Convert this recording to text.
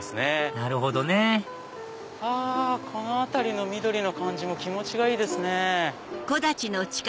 なるほどねこの辺りの緑の感じも気持ちがいいですね。